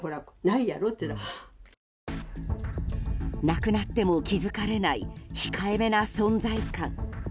なくなっても気づかれない控えめな存在感。